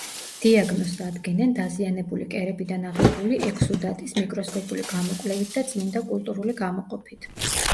დიაგნოზს ადგენენ დაზიანებული კერებიდან აღებული ექსუდატის მიკროსკოპული გამოკვლევით და წმინდა კულტურული გამოყოფით.